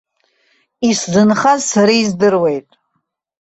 Исзынхаз сара издыруеит.